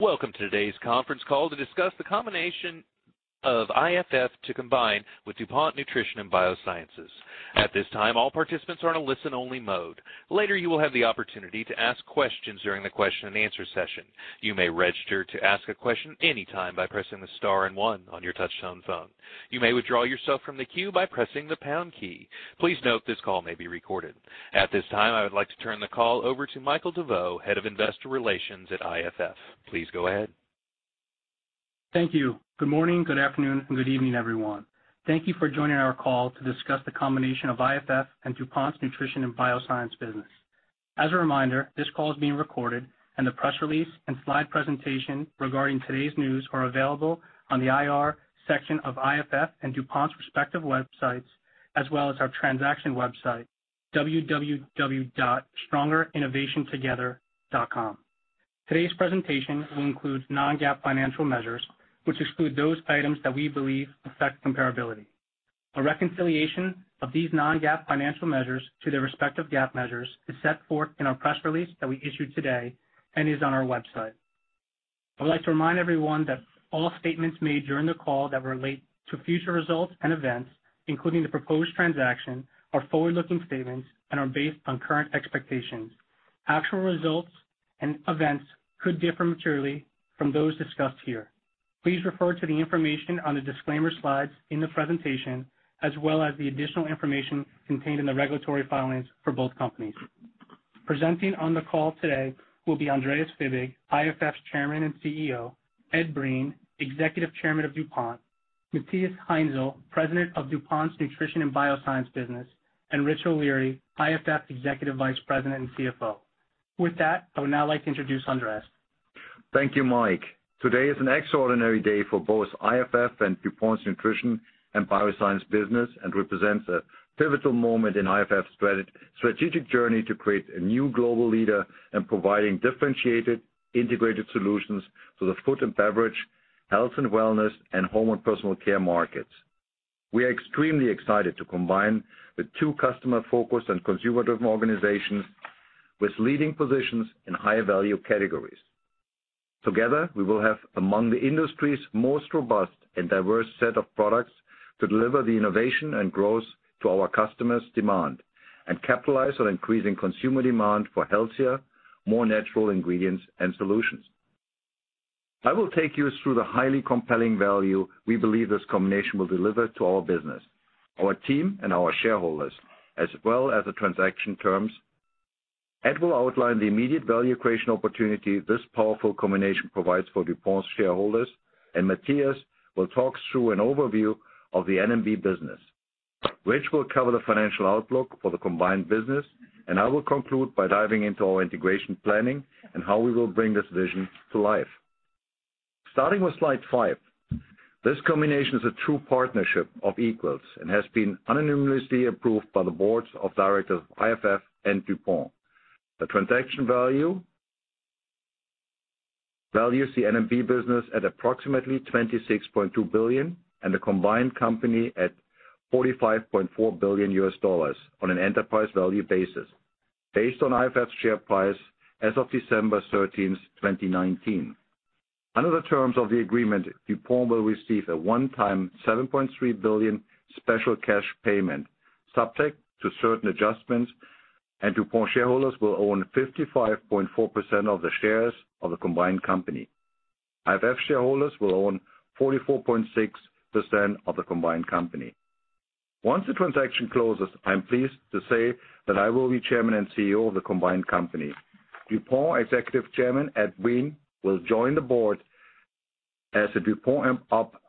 Welcome to today's conference call to discuss the combination of IFF to combine with DuPont Nutrition & Biosciences. At this time, all participants are in a listen only mode. Later, you will have the opportunity to ask questions during the question and answer session. You may register to ask a question anytime by pressing the star and one on your touchtone phone. You may withdraw yourself from the queue by pressing the pound key. Please note this call may be recorded. At this time, I would like to turn the call over to Michael DeVeau, Head of Investor Relations at IFF. Please go ahead. Thank you. Good morning, good afternoon, and good evening, everyone. Thank you for joining our call to discuss the combination of IFF and DuPont's Nutrition & Biosciences business. As a reminder, this call is being recorded, and the press release and slide presentation regarding today's news are available on the IR section of IFF and DuPont's respective websites, as well as our transaction website, www.strongerinnovationtogether.com. Today's presentation will include non-GAAP financial measures, which exclude those items that we believe affect comparability. A reconciliation of these non-GAAP financial measures to their respective GAAP measures is set forth in our press release that we issued today and is on our website. I would like to remind everyone that all statements made during the call that relate to future results and events, including the proposed transaction, are forward-looking statements and are based on current expectations. Actual results and events could differ materially from those discussed here. Please refer to the information on the disclaimer slides in the presentation, as well as the additional information contained in the regulatory filings for both companies. Presenting on the call today will be Andreas Fibig, IFF's Chairman and CEO, Ed Breen, Executive Chairman of DuPont, Matthias Heinzel, President of DuPont's Nutrition & Biosciences business, and Rich O'Leary, IFF's Executive Vice President and CFO. With that, I would now like to introduce Andreas. Thank you, Mike. Today is an extraordinary day for both IFF and DuPont's Nutrition & Biosciences business and represents a pivotal moment in IFF's strategic journey to create a new global leader in providing differentiated, integrated solutions for the food and beverage, health and wellness, and home and personal care markets. We are extremely excited to combine the two customer-focused and consumer-driven organizations with leading positions in high-value categories. Together, we will have among the industry's most robust and diverse set of products to deliver the innovation and growth to our customers' demand and capitalize on increasing consumer demand for healthier, more natural ingredients and solutions. I will take you through the highly compelling value we believe this combination will deliver to our business, our team, and our shareholders, as well as the transaction terms, and will outline the immediate value creation opportunity this powerful combination provides for DuPont's shareholders. Matthias will talk through an overview of the N&B business, which will cover the financial outlook for the combined business. I will conclude by diving into our integration planning and how we will bring this vision to life. Starting with slide five. This combination is a true partnership of equals and has been unanimously approved by the boards of directors of IFF and DuPont. The transaction value values the N&B business at approximately $26.2 billion and the combined company at $45.4 billion on an enterprise value basis based on IFF's share price as of December 13th, 2019. Under the terms of the agreement, DuPont will receive a one-time $7.3 billion special cash payment, subject to certain adjustments, and DuPont shareholders will own 55.4% of the shares of the combined company. IFF shareholders will own 44.6% of the combined company. Once the transaction closes, I'm pleased to say that I will be Chairman and CEO of the combined company. DuPont Executive Chairman, Ed Breen, will join the board as a DuPont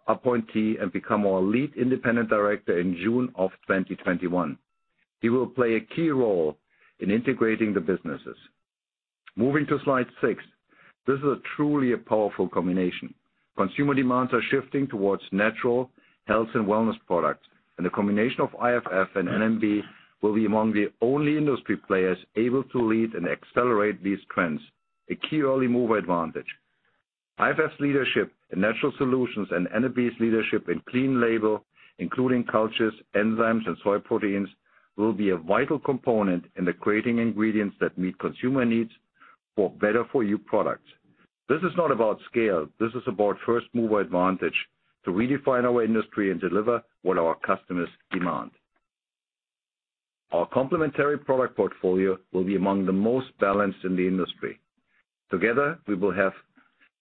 appointee and become our lead independent director in June of 2021. He will play a key role in integrating the businesses. Moving to slide six. This is truly a powerful combination. The combination of IFF and N&B will be among the only industry players able to lead and accelerate these trends, a key early mover advantage. IFF's leadership in natural solutions and N&B's leadership in clean label, including cultures, enzymes, and soy proteins, will be a vital component in creating ingredients that meet consumer needs for better for you products. This is not about scale. This is about first-mover advantage to redefine our industry and deliver what our customers demand. Our complementary product portfolio will be among the most balanced in the industry. Together, we will have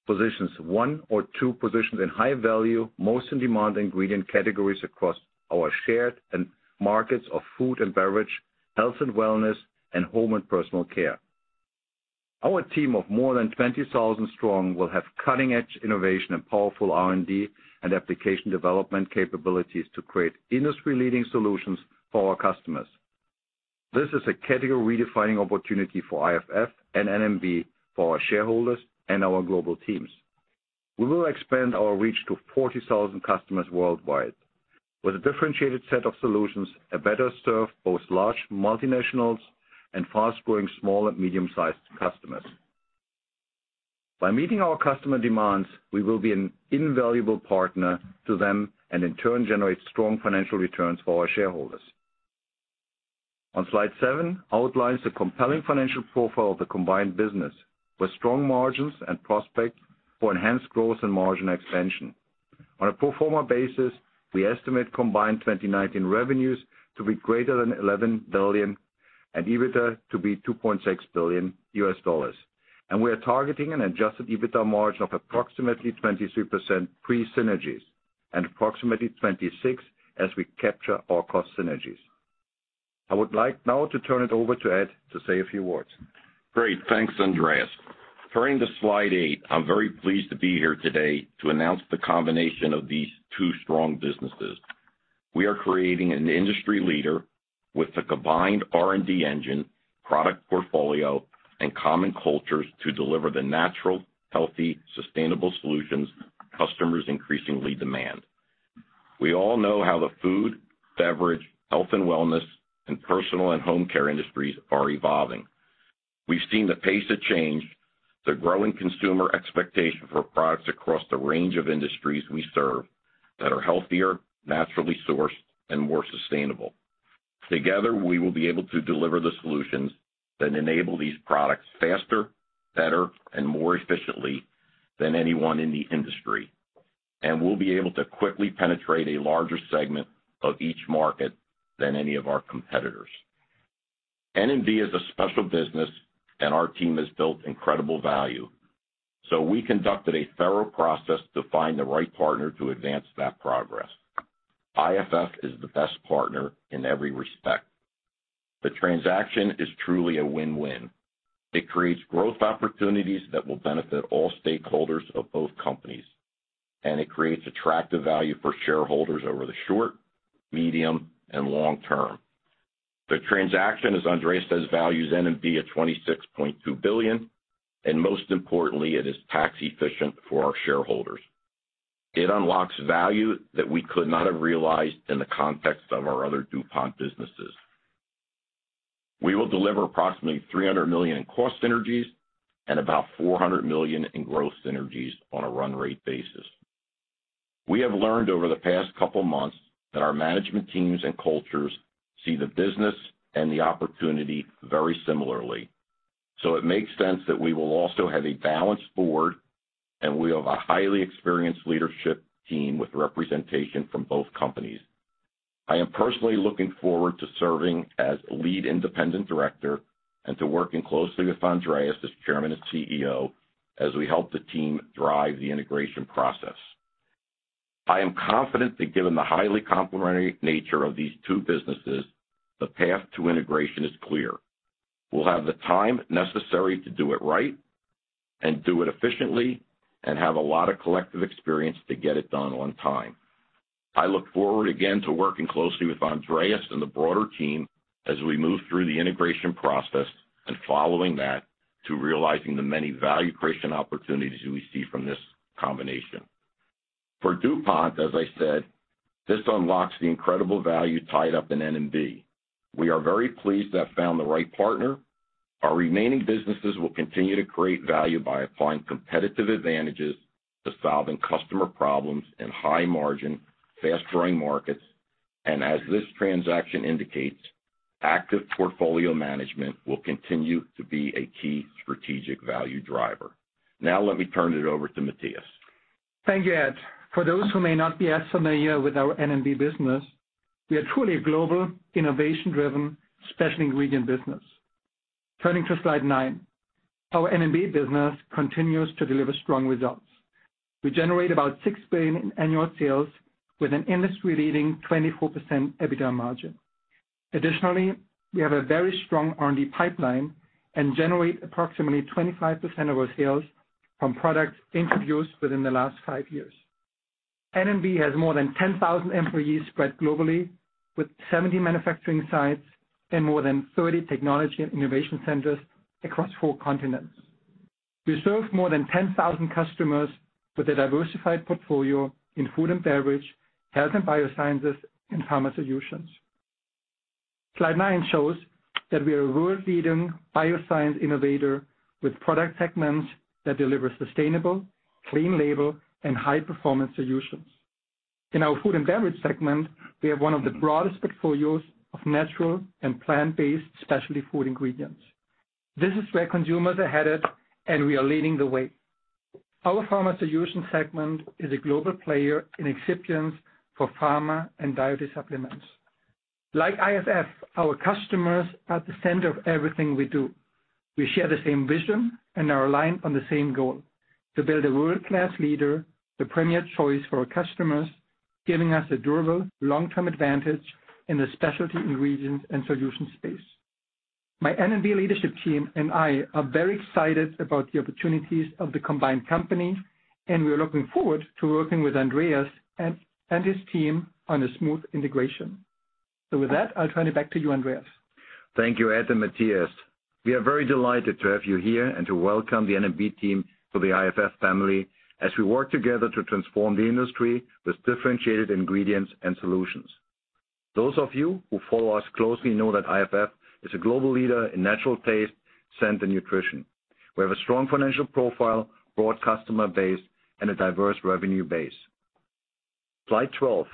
positions 1 or 2 in high-value, most in-demand ingredient categories across our shared end markets of food and beverage, health and wellness, and home and personal care. Our team of more than 20,000 strong will have cutting-edge innovation and powerful R&D and application development capabilities to create industry-leading solutions for our customers. This is a category-redefining opportunity for IFF and N&B, for our shareholders, and our global teams. We will expand our reach to 40,000 customers worldwide with a differentiated set of solutions that better serve both large multinationals and fast-growing small and medium-sized customers. By meeting our customer demands, we will be an invaluable partner to them and in turn generate strong financial returns for our shareholders. Slide seven outlines the compelling financial profile of the combined business with strong margins and prospects for enhanced growth and margin expansion. On a pro forma basis, we estimate combined 2019 revenues to be greater than $11 billion and EBITDA to be $2.6 billion. We are targeting an adjusted EBITDA margin of approximately 23% pre-synergies and approximately 26% as we capture our cost synergies. I would like now to turn it over to Ed to say a few words. Great. Thanks, Andreas. Turning to slide eight, I'm very pleased to be here today to announce the combination of these two strong businesses. We are creating an industry leader with the combined R&D engine, product portfolio, and common cultures to deliver the natural, healthy, sustainable solutions customers increasingly demand. We all know how the food, beverage, health and wellness, and personal and home care industries are evolving. We've seen the pace of change, the growing consumer expectation for products across the range of industries we serve that are healthier, naturally sourced, and more sustainable. Together, we will be able to deliver the solutions that enable these products faster, better, and more efficiently than anyone in the industry. We'll be able to quickly penetrate a larger segment of each market than any of our competitors. N&B is a special business and our team has built incredible value. We conducted a thorough process to find the right partner to advance that progress. IFF is the best partner in every respect. The transaction is truly a win-win. It creates growth opportunities that will benefit all stakeholders of both companies, and it creates attractive value for shareholders over the short, medium, and long term. The transaction, as Andreas says, values N&B at $26.2 billion, and most importantly, it is tax efficient for our shareholders. It unlocks value that we could not have realized in the context of our other DuPont businesses. We will deliver approximately $300 million in cost synergies and about $400 million in growth synergies on a run rate basis. We have learned over the past couple of months that our management teams and cultures see the business and the opportunity very similarly. It makes sense that we will also have a balanced board, and we have a highly experienced leadership team with representation from both companies. I am personally looking forward to serving as Lead Independent Director and to working closely with Andreas as Chairman and CEO as we help the team drive the integration process. I am confident that given the highly complementary nature of these two businesses, the path to integration is clear. We'll have the time necessary to do it right and do it efficiently and have a lot of collective experience to get it done on time. I look forward again to working closely with Andreas and the broader team as we move through the integration process and following that, to realizing the many value creation opportunities we see from this combination. For DuPont, as I said, this unlocks the incredible value tied up in N&B. We are very pleased to have found the right partner. Our remaining businesses will continue to create value by applying competitive advantages to solving customer problems in high margin, fast-growing markets. As this transaction indicates, active portfolio management will continue to be a key strategic value driver. Now let me turn it over to Matthias. Thank you, Ed. For those who may not be as familiar with our N&B business, we are truly a global, innovation-driven, special ingredient business. Turning to slide nine, our N&B business continues to deliver strong results. We generate about $6 billion in annual sales with an industry-leading 24% EBITDA margin. Additionally, we have a very strong R&D pipeline and generate approximately 25% of our sales from products introduced within the last five years. N&B has more than 10,000 employees spread globally, with 70 manufacturing sites and more than 30 technology and innovation centers across four continents. We serve more than 10,000 customers with a diversified portfolio in food and beverage, Health and Biosciences, and Pharma Solutions. Slide nine shows that we are a world-leading bioscience innovator with product segments that deliver sustainable, clean label, and high-performance solutions. In our food and beverage segment, we have one of the broadest portfolios of natural and plant-based specialty food ingredients. This is where consumers are headed, and we are leading the way. Our Pharma Solutions segment is a global player in excipients for pharma and dietary supplements. Like IFF, our customers are at the center of everything we do. We share the same vision and are aligned on the same goal, to build a world-class leader, the premier choice for our customers, giving us a durable long-term advantage in the specialty ingredients and solutions space. My N&B leadership team and I are very excited about the opportunities of the combined company, and we are looking forward to working with Andreas and his team on a smooth integration. With that, I'll turn it back to you, Andreas. Thank you, Ed and Matthias. We are very delighted to have you here and to welcome the N&B team to the IFF family as we work together to transform the industry with differentiated ingredients and solutions. Those of you who follow us closely know that IFF is a global leader in natural taste, scent, and nutrition. We have a strong financial profile, broad customer base, and a diverse revenue base. Slide 12.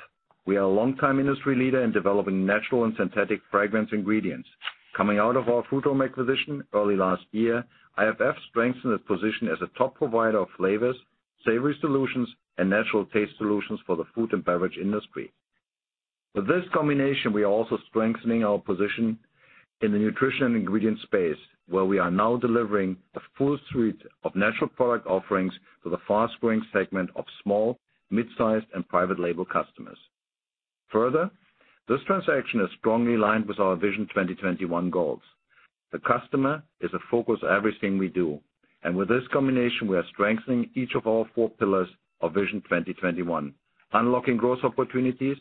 We are a longtime industry leader in developing natural and synthetic fragrance ingredients. Coming out of our Frutarom acquisition early last year, IFF strengthened its position as a top provider of flavors, savory solutions, and natural taste solutions for the food and beverage industry. With this combination, we are also strengthening our position in the nutrition ingredient space, where we are now delivering a full suite of natural product offerings for the fast-growing segment of small, mid-sized, and private label customers. This transaction is strongly aligned with our Vision 2021 goals. The customer is the focus of everything we do, with this combination, we are strengthening each of our four pillars of Vision 2021, unlocking growth opportunities,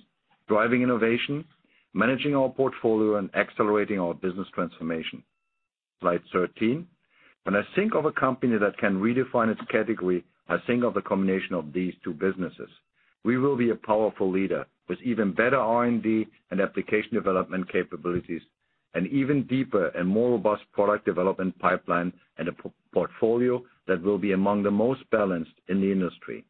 driving innovation, managing our portfolio, and accelerating our business transformation. Slide 13. When I think of a company that can redefine its category, I think of the combination of these two businesses. We will be a powerful leader with even better R&D and application development capabilities, an even deeper and more robust product development pipeline, a portfolio that will be among the most balanced in the industry.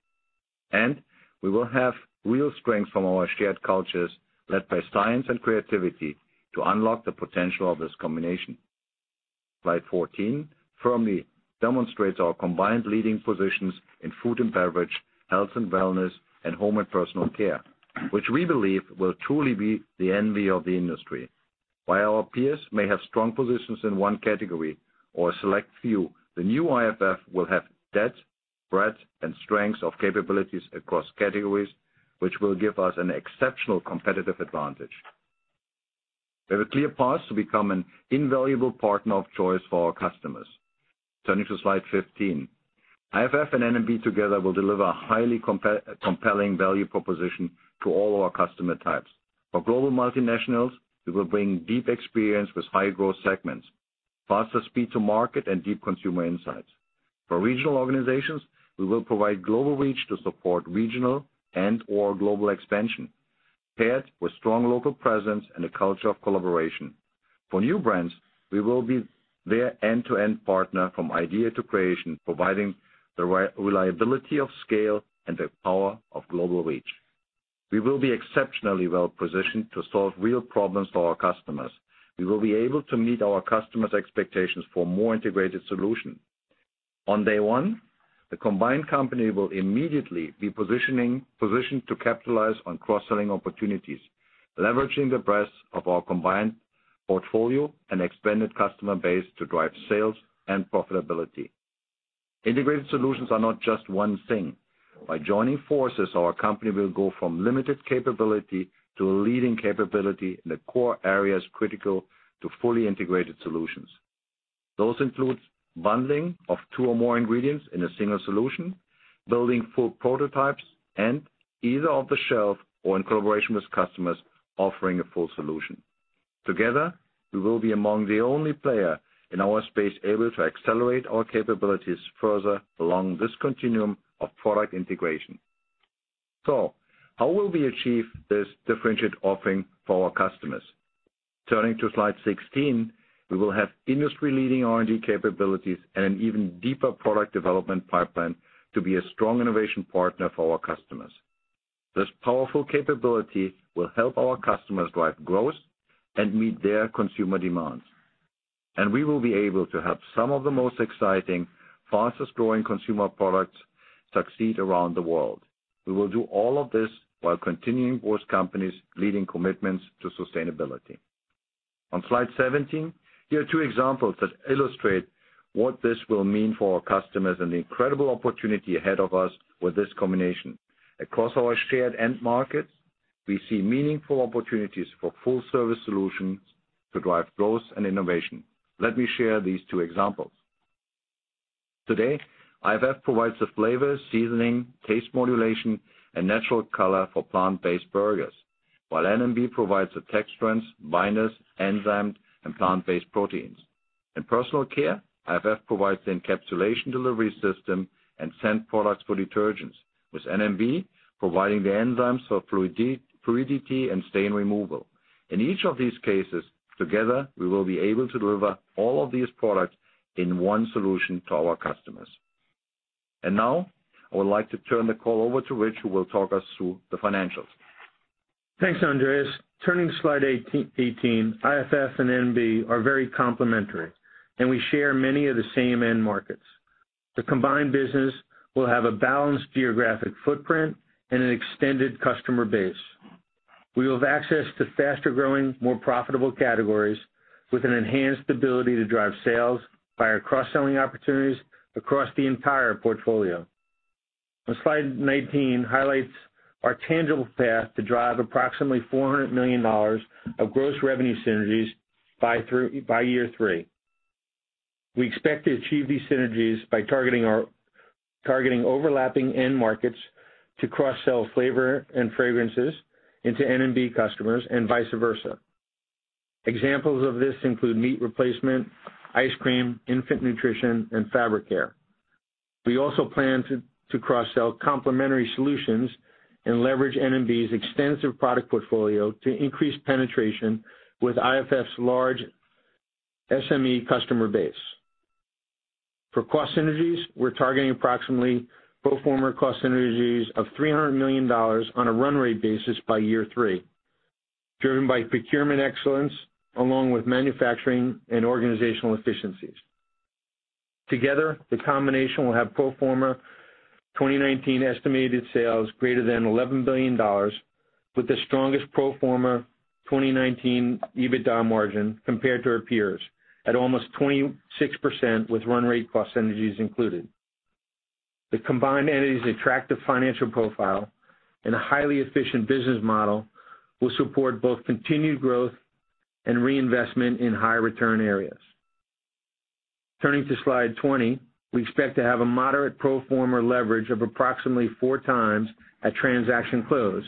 We will have real strength from our shared cultures, led by science and creativity, to unlock the potential of this combination. Slide 14 firmly demonstrates our combined leading positions in food and beverage, health and wellness, and home and personal care, which we believe will truly be the envy of the industry. While our peers may have strong positions in one category or a select few, the new IFF will have depth, breadth, and strength of capabilities across categories, which will give us an exceptional competitive advantage. We have a clear path to become an invaluable partner of choice for our customers. Turning to slide 15. IFF and N&B together will deliver a highly compelling value proposition to all our customer types. For global multinationals, we will bring deep experience with high growth segments, faster speed to market, and deep consumer insights. For regional organizations, we will provide global reach to support regional and/or global expansion, paired with strong local presence and a culture of collaboration. For new brands, we will be their end-to-end partner from idea to creation, providing the reliability of scale and the power of global reach. We will be exceptionally well positioned to solve real problems for our customers. We will be able to meet our customers' expectations for more integrated solutions. On day one, the combined company will immediately be positioned to capitalize on cross-selling opportunities, leveraging the breadth of our combined portfolio and expanded customer base to drive sales and profitability. Integrated solutions are not just one thing. By joining forces, our company will go from limited capability to a leading capability in the core areas critical to fully integrated solutions. Those include bundling of two or more ingredients in a single solution, building full prototypes, and either off the shelf or in collaboration with customers, offering a full solution. Together, we will be among the only player in our space able to accelerate our capabilities further along this continuum of product integration. How will we achieve this differentiated offering for our customers? Turning to slide 16, we will have industry-leading R&D capabilities and an even deeper product development pipeline to be a strong innovation partner for our customers. This powerful capability will help our customers drive growth and meet their consumer demands. We will be able to have some of the most exciting, fastest growing consumer products succeed around the world. We will do all of this while continuing both companies' leading commitments to sustainability. On slide 17, here are two examples that illustrate what this will mean for our customers and the incredible opportunity ahead of us with this combination. Across our shared end markets, we see meaningful opportunities for full service solutions to drive growth and innovation. Let me share these two examples. Today, IFF provides the flavor, seasoning, taste modulation, and natural color for plant-based burgers, while N&B provides the texturants, binders, enzymes, and plant-based proteins. In personal care, IFF provides the encapsulation delivery system and scent products for detergents, with N&B providing the enzymes for fluidity and stain removal. In each of these cases, together, we will be able to deliver all of these products in one solution to our customers. Now, I would like to turn the call over to Rich, who will talk us through the financials. Thanks, Andreas. Turning to slide 18, IFF and N&B are very complementary, and we share many of the same end markets. The combined business will have a balanced geographic footprint and an extended customer base. We will have access to faster growing, more profitable categories with an enhanced ability to drive sales by our cross-selling opportunities across the entire portfolio. Slide 19 highlights our tangible path to drive approximately $400 million of gross revenue synergies by year three. We expect to achieve these synergies by targeting overlapping end markets to cross-sell flavor and fragrances into N&B customers and vice versa. Examples of this include meat replacement, ice cream, infant nutrition, and fabric care. We also plan to cross-sell complementary solutions and leverage N&B's extensive product portfolio to increase penetration with IFF's large SME customer base. For cost synergies, we're targeting approximately pro forma cost synergies of $300 million on a run rate basis by year three, driven by procurement excellence along with manufacturing and organizational efficiencies. Together, the combination will have pro forma 2019 estimated sales greater than $11 billion, with the strongest pro forma 2019 EBITDA margin compared to our peers at almost 26% with run rate cost synergies included. The combined entity's attractive financial profile and a highly efficient business model will support both continued growth and reinvestment in high return areas. Turning to slide 20. We expect to have a moderate pro forma leverage of approximately four times at transaction close,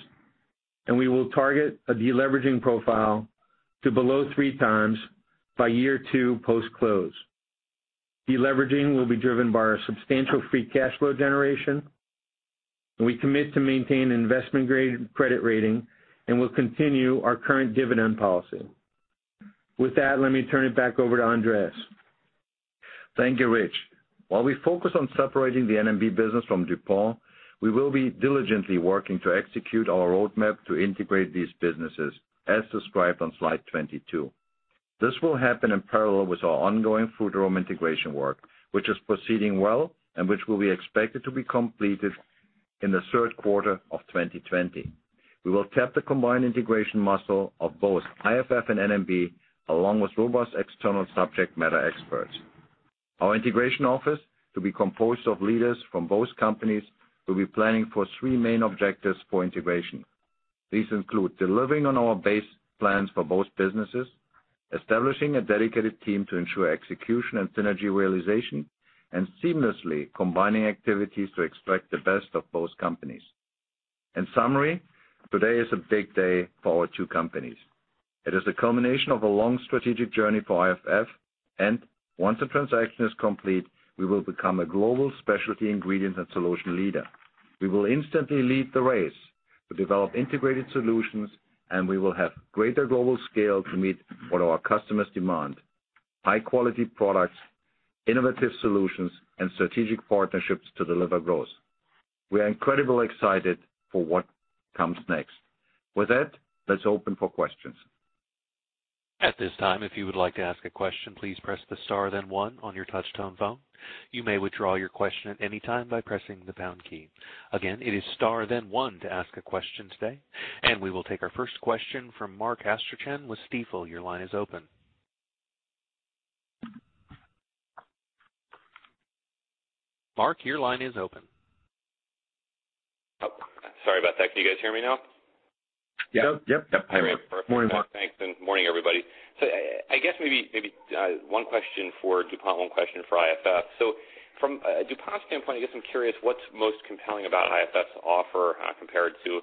and we will target a de-leveraging profile to below three times by year two post-close. De-leveraging will be driven by our substantial free cash flow generation, and we commit to maintain investment-grade credit rating and will continue our current dividend policy. With that, let me turn it back over to Andreas. Thank you, Rich. While we focus on separating the N&B business from DuPont, we will be diligently working to execute our roadmap to integrate these businesses as described on slide 22. This will happen in parallel with our ongoing Frutarom integration work, which is proceeding well and which will be expected to be completed in the third quarter of 2020. We will tap the combined integration muscle of both IFF and N&B, along with robust external subject matter experts. Our integration office, to be composed of leaders from both companies, will be planning for three main objectives for integration. These include delivering on our base plans for both businesses, establishing a dedicated team to ensure execution and synergy realization, and seamlessly combining activities to extract the best of both companies. In summary, today is a big day for our two companies. It is a culmination of a long strategic journey for IFF, and once the transaction is complete, we will become a global specialty ingredient and solution leader. We will instantly lead the race to develop integrated solutions, and we will have greater global scale to meet what our customers demand: high-quality products, innovative solutions, and strategic partnerships to deliver growth. We are incredibly excited for what comes next. With that, let's open for questions. At this time, if you would like to ask a question, please press the star, then one on your touch-tone phone. You may withdraw your question at any time by pressing the pound key. Again, it is star then one to ask a question today. We will take our first question from Mark Astrachan with Stifel. Your line is open. Mark, your line is open. Oh, sorry about that. Can you guys hear me now? Yep. Yep. Morning, Mark. Thanks, and morning, everybody. I guess maybe one question for DuPont, one question for IFF. From a DuPont standpoint, I guess I'm curious what's most compelling about IFF's offer compared to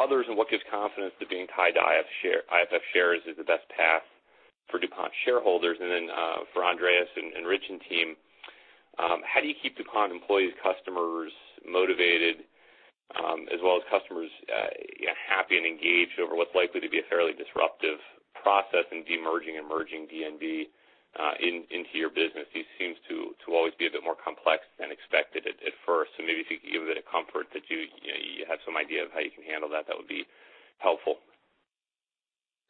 others, and what gives confidence that being tied to IFF shares is the best path for DuPont shareholders? For Andreas and Rich and team, how do you keep DuPont employees, customers motivated, as well as customers happy and engaged over what's likely to be a fairly disruptive process in demerging and merging N&B into your business? These seems to always be a bit more complex than expected at first, and maybe if you could give a bit of comfort that you have some idea of how you can handle that would be helpful.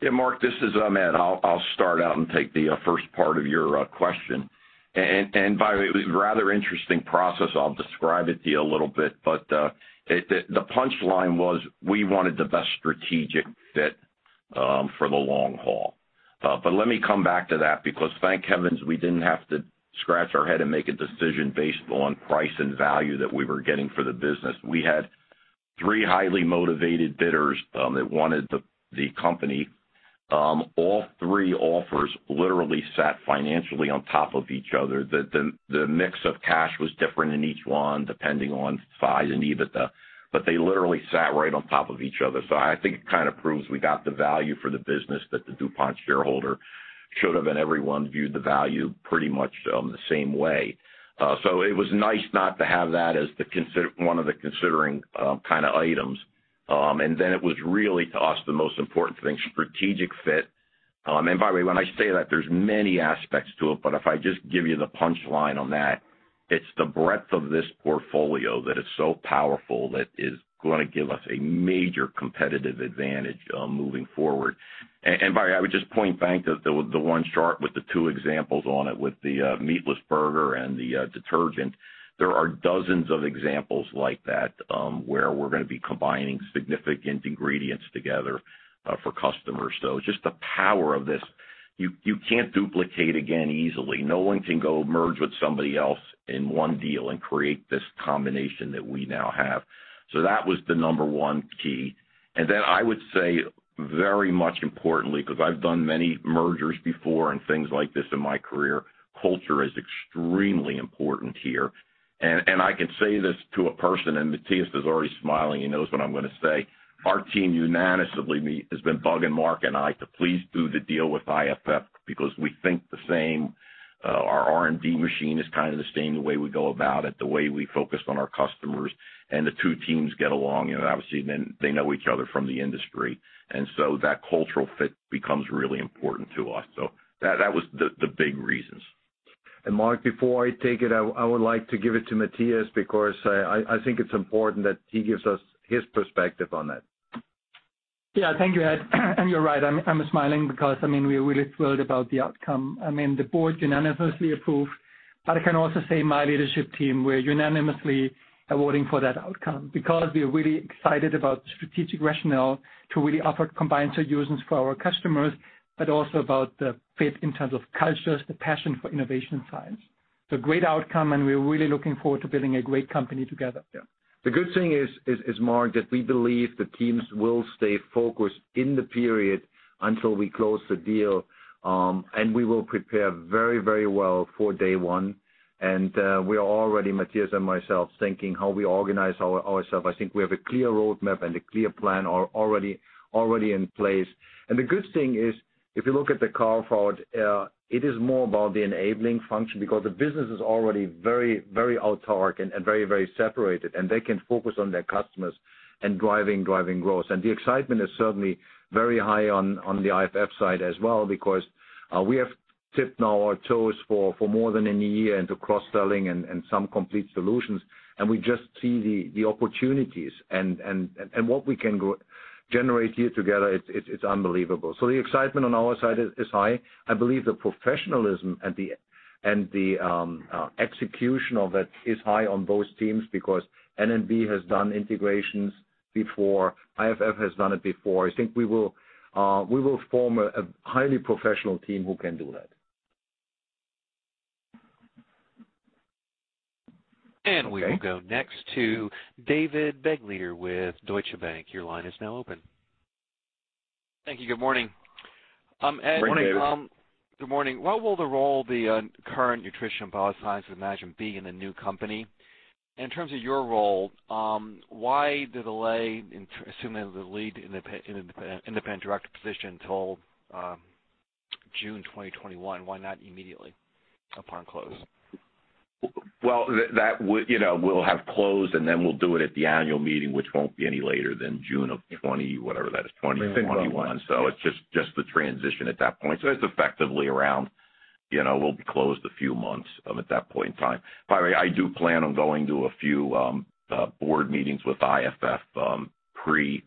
Yeah, Mark, this is Ed. I'll start out and take the first part of your question. By the way, rather interesting process. I'll describe it to you a little bit, but the punchline was we wanted the best strategic fit for the long haul. Let me come back to that, because thank heavens, we didn't have to scratch our head and make a decision based on price and value that we were getting for the business. We had three highly motivated bidders that wanted the company. All three offers literally sat financially on top of each other. The mix of cash was different in each one, depending on size and EBITDA, but they literally sat right on top of each other. I think it kind of proves we got the value for the business that the DuPont shareholder should have, and everyone viewed the value pretty much the same way. It was nice not to have that as one of the considering kind of items. Then it was really, to us, the most important thing, strategic fit. By the way, when I say that, there's many aspects to it, but if I just give you the punchline on that, it's the breadth of this portfolio that is so powerful that is going to give us a major competitive advantage moving forward. By the way, I would just point back to the one chart with the two examples on it with the meatless burger and the detergent. There are dozens of examples like that, where we're going to be combining significant ingredients together for customers. Just the power of this, you can't duplicate again easily. No one can go merge with somebody else in one deal and create this combination that we now have. That was the number one key. I would say very much importantly, because I've done many mergers before and things like this in my career, culture is extremely important here. I can say this to a person, Matthias is already smiling. He knows what I'm going to say. Our team unanimously has been bugging Mark and I to please do the deal with IFF because we think the same, our R&D machine is kind of the same, the way we go about it, the way we focus on our customers, and the two teams get along. Obviously, they know each other from the industry, that cultural fit becomes really important to us. That was the big reasons. Mark, before I take it, I would like to give it to Matthias because I think it's important that he gives us his perspective on that. Yeah, thank you, Ed. You're right, I'm smiling because we are really thrilled about the outcome. I mean, the board unanimously approved. I can also say my leadership team, we're unanimously awarding for that outcome because we are really excited about the strategic rationale to really offer combined solutions for our customers, but also about the fit in terms of cultures, the passion for innovation and science. Great outcome. We're really looking forward to building a great company together. Yeah. The good thing is, Mark, that we believe the teams will stay focused in the period until we close the deal, and we will prepare very well for day one. We are already, Matthias and myself, thinking how we organize ourselves. I think we have a clear roadmap and a clear plan already in place. The good thing is, if you look at the carve-out, it is more about the enabling function because the business is already very autarch and very separated, and they can focus on their customers and driving growth. The excitement is certainly very high on the IFF side as well because, we have tipped now our toes for more than a year into cross-selling and some complete solutions, and we just see the opportunities and what we can generate here together, it's unbelievable. The excitement on our side is high. I believe the professionalism and the execution of it is high on both teams because N&B has done integrations before. IFF has done it before. I think we will form a highly professional team who can do that. We will go next to David Begleiter with Deutsche Bank. Your line is now open. Thank you. Good morning. Morning, David. Good morning. What will the role be on current Nutrition & Biosciences with IFF being the new company? In terms of your role, why the delay in assuming the lead in independent director position till June 2021? Why not immediately upon close? Well, we'll have closed, then we'll do it at the annual meeting, which won't be any later than June of 2020, whatever that is, 2021. It's just the transition at that point. It's effectively around, we'll be closed a few months at that point in time. By the way, I do plan on going to a few board meetings with IFF pre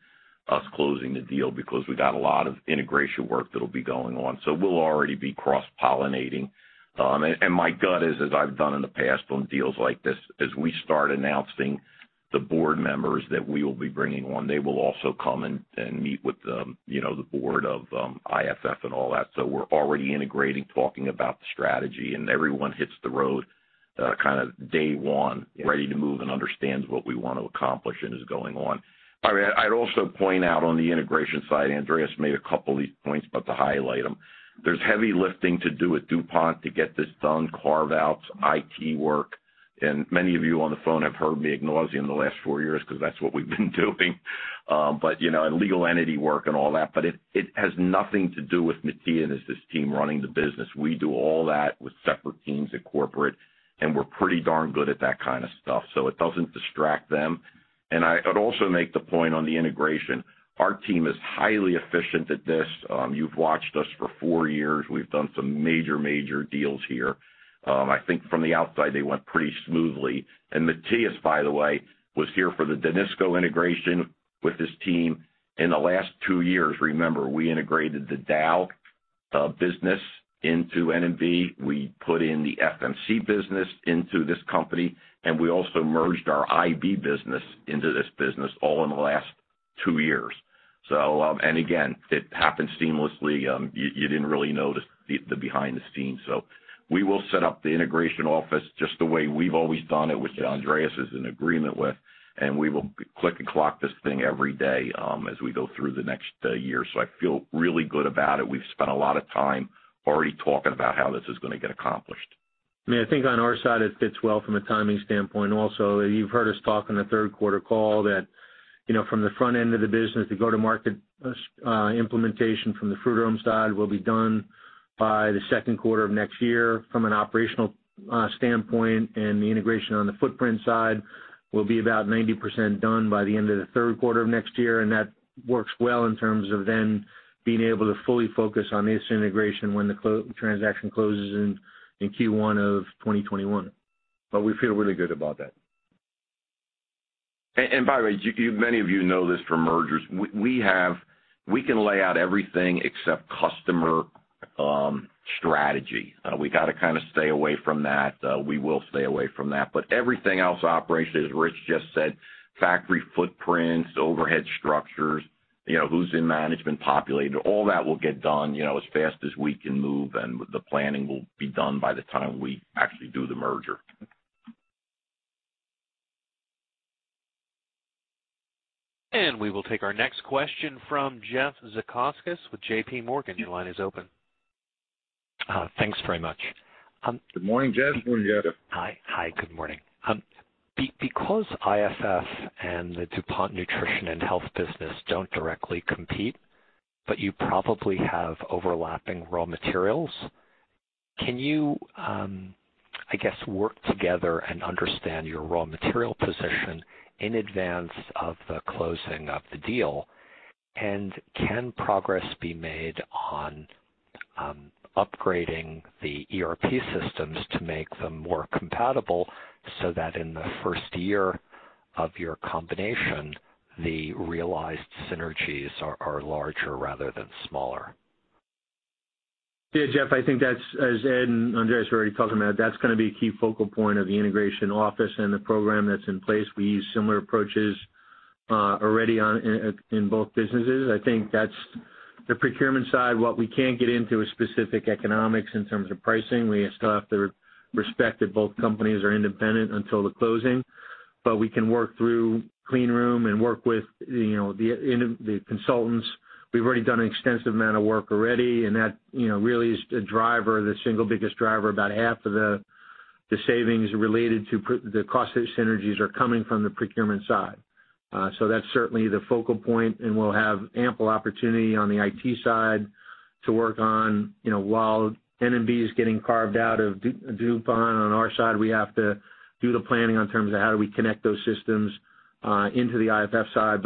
us closing the deal because we got a lot of integration work that'll be going on, we'll already be cross-pollinating. My gut is, as I've done in the past on deals like this, as we start announcing the board members that we will be bringing on, they will also come and meet with the board of IFF and all that. We're already integrating, talking about the strategy, and everyone hits the road kind of day one, ready to move and understands what we want to accomplish and is going on. By the way, I'd also point out on the integration side, Andreas made a couple of these points, but to highlight them, there's heavy lifting to do with DuPont to get this done, carve-outs, IT work. Many of you on the phone have heard me ignore them in the last four years because that's what we've been doing. Legal entity work and all that, but it has nothing to do with Matthias' team running the business. We do all that with separate teams at corporate, and we're pretty darn good at that kind of stuff, so it doesn't distract them. I'd also make the point on the integration. Our team is highly efficient at this. You've watched us for four years. We've done some major deals here. I think from the outside, they went pretty smoothly. Matthias, by the way, was here for the Danisco integration with his team. In the last two years, remember, we integrated the Dow business into N&B. We put in the FMC business into this company, and we also merged our H&B business into this business all in the last two years. Again, it happened seamlessly. You didn't really notice the behind-the-scenes. We will set up the integration office just the way we've always done it, which Andreas is in agreement with, and we will click and clock this thing every day as we go through the next year. I feel really good about it. We've spent a lot of time already talking about how this is going to get accomplished. I think on our side, it fits well from a timing standpoint also. You've heard us talk on the third quarter call that from the front end of the business, the go-to-market implementation from the Frutarom side will be done by the second quarter of next year from an operational standpoint, and the integration on the footprint side will be about 90% done by the end of the third quarter of next year, and that works well in terms of then being able to fully focus on this integration when the transaction closes in Q1 2021. We feel really good about that. By the way, many of you know this from mergers. We can lay out everything except customer strategy. We got to kind of stay away from that. We will stay away from that. Everything else operationally, as Rich just said, factory footprints, overhead structures, who's in management populated, all that will get done as fast as we can move, and the planning will be done by the time we actually do the merger. We will take our next question from Jeff Zekauskas with J.P. Morgan. Your line is open. Thanks very much. Good morning, Jeff. Morning, Jeff. Hi. Good morning. IFF and the DuPont Nutrition & Biosciences business don't directly compete, but you probably have overlapping raw materials, can you, I guess, work together and understand your raw material position in advance of the closing of the deal? Can progress be made on upgrading the ERP systems to make them more compatible, so that in the first year of your combination, the realized synergies are larger rather than smaller? Yeah, Jeff, I think that's, as Ed and Andreas were already talking about, that's going to be a key focal point of the integration office and the program that's in place. We use similar approaches already in both businesses. I think that's the procurement side. What we can't get into is specific economics in terms of pricing. We still have to respect that both companies are independent until the closing. We can work through clean room and work with the consultants. We've already done an extensive amount of work already, and that really is the single biggest driver. About half of the savings related to the cost synergies are coming from the procurement side. That's certainly the focal point, and we'll have ample opportunity on the IT side to work on, while N&B is getting carved out of DuPont, on our side, we have to do the planning in terms of how do we connect those systems into the IFF side.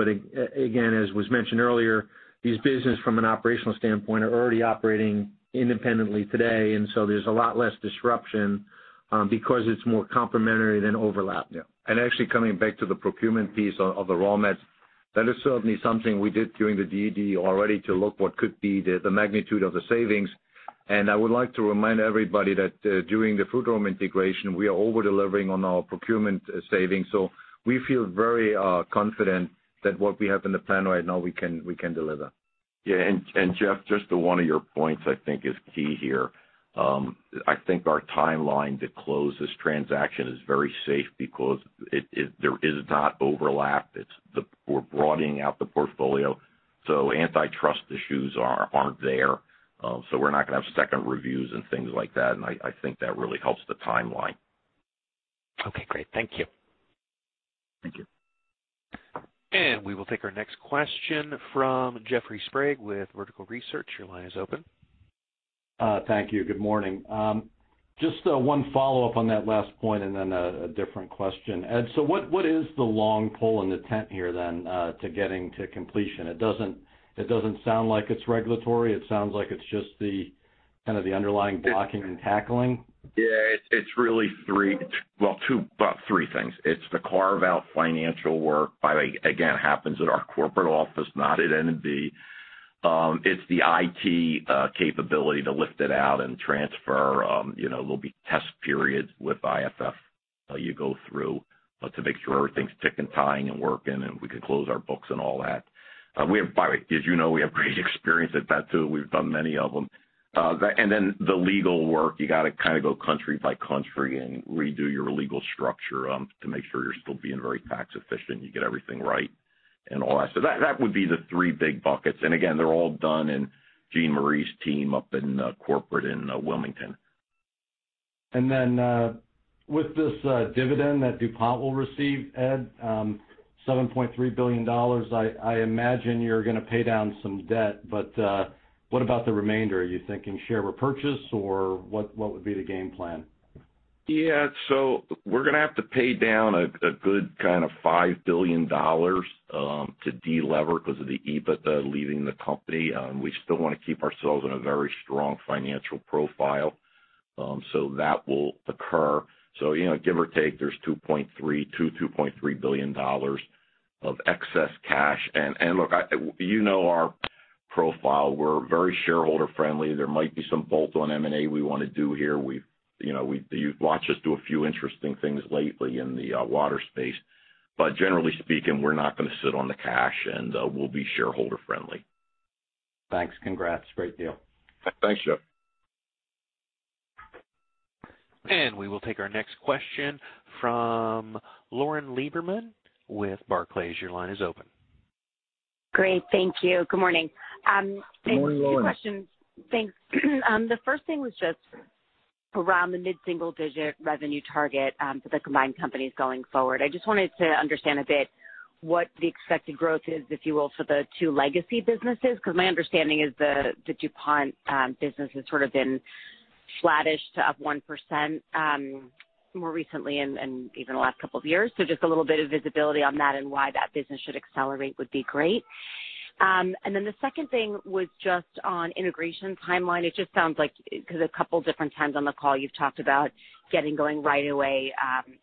Again, as was mentioned earlier, these businesses from an operational standpoint, are already operating independently today. There's a lot less disruption because it's more complementary than overlap. Yeah. Actually coming back to the procurement piece of the raw materials, that is certainly something we did during the DD already to look what could be the magnitude of the savings. I would like to remind everybody that during the Frutarom integration, we are over-delivering on our procurement savings. We feel very confident that what we have in the plan right now, we can deliver. Yeah. Jeff, just to one of your points I think is key here. I think our timeline to close this transaction is very safe because there is not overlap. We're broadening out the portfolio. Antitrust issues aren't there. We're not going to have second reviews and things like that, and I think that really helps the timeline. Okay, great. Thank you. Thank you. We will take our next question from Jeffrey Sprague with Vertical Research. Your line is open. Thank you. Good morning. Just one follow-up on that last point and then a different question. Ed, what is the long pole in the tent here then to getting to completion? It doesn't sound like it's regulatory. It sounds like it's just the kind of the underlying blocking and tackling. It's really three things. It's the carve-out financial work, by the way, again, happens at our corporate office, not at N&B. It's the IT capability to lift it out and transfer. There'll be test periods with IFF you go through to make sure everything's tick and tying and working, and we can close our books and all that. By the way, as you know, we have great experience at that, too. We've done many of them. Then the legal work, you got to kind of go country by country and redo your legal structure to make sure you're still being very tax efficient. You get everything right and all that. That would be the three big buckets. Again, they're all done in Jeanne-Marie's team up in corporate in Wilmington. With this dividend that DuPont will receive, Ed, $7.3 billion, I imagine you're going to pay down some debt, but what about the remainder? Are you thinking share repurchase or what would be the game plan? We're going to have to pay down a good kind of $5 billion to delever because of the EBITDA leaving the company. We still want to keep ourselves in a very strong financial profile. That will occur. Give or take, there's $2.3 billion of excess cash. Look, you know our profile. We're very shareholder friendly. There might be some bolt-on M&A we want to do here. You've watched us do a few interesting things lately in the water space. Generally speaking, we're not going to sit on the cash, and we'll be shareholder friendly. Thanks. Congrats. Great deal. Thanks, Jeff. We will take our next question from Lauren Lieberman with Barclays. Your line is open. Great. Thank you. Good morning. Good morning, Lauren. Two questions. Thanks. The first thing was just around the mid-single-digit revenue target for the combined companies going forward. I just wanted to understand a bit what the expected growth is, if you will, for the two legacy businesses, because my understanding is the DuPont business has sort of been flattish to up 1% more recently and even the last couple of years. Just a little bit of visibility on that and why that business should accelerate would be great. The second thing was just on integration timeline. It just sounds like, because a couple different times on the call you've talked about getting going right away